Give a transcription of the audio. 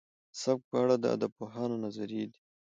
سبک په اړه د ادبپوهانو نظريې دي.